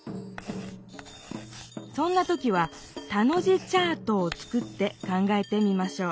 そんな時は「田の字チャート」を作って考えてみましょう。